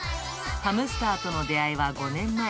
ハムスターとの出会いは５年前。